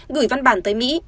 gửi văn bản tới mỹ